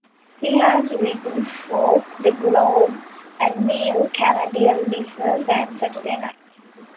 He has written for "The Globe and Mail", "Canadian Business" and "Saturday Night".